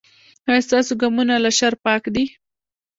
ایا ستاسو ګامونه له شر پاک دي؟